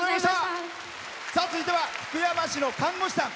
続いては、福山市の看護師さん。